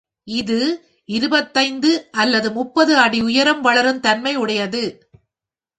இது இருபத்தைந்து அல்லது முப்பது அடி உயரம் வளரும் தன்மையுடையது.